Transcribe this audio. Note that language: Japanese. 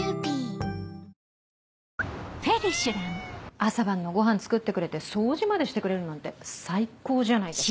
朝晩のごはん作ってくれて掃除までしてくれるなんて最高じゃないですか。